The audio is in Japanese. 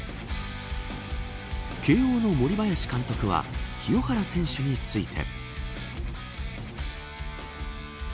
慶応の森林監督は清原選手について。